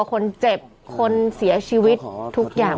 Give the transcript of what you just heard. คนเจ็บคนเสียชีวิตทุกอย่าง